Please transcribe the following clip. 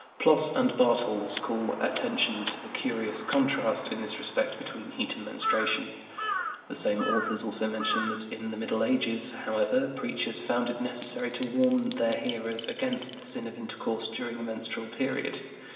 Ploss and Bartels call attention to the curious contrast, in this respect, between heat and menstruation. The same authors also mention that in the Middle Ages, however, preachers found it necessary to warn their hearers against the sin of intercourse during the menstrual period.